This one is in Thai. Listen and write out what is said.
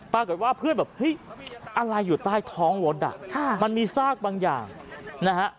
ปรากฏว่าเพื่อนแบบเฮ้ยอะไรอยู่ใต้ท้องรถอ่ะมันมีซากบางอย่างนะฮะ